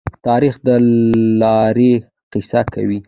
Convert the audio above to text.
تاریخ د دلاورۍ قصه کوي.